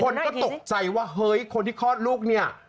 คนก็ตกใจว่าเฮ้ยคนที่คลอดลูกเนี่ย